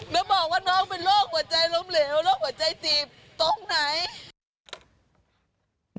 แล้วบอกว่าน้องเป็นโรคหัวใจล้มเหลวโรคหัวใจตีบตรงไหน